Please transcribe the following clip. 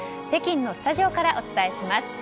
北京のスタジオからお伝えします。